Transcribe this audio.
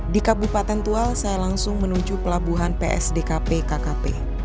di kabupaten tual saya langsung menuju pelabuhan psdkp kkp